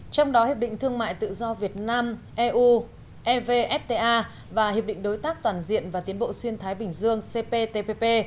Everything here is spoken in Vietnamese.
trong đó hiệp định thương mại tự do việt nam eu evfta và hiệp định đối tác toàn diện và tiến bộ xuyên thái bình dương cptpp